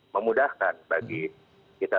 memudahkan bagi kita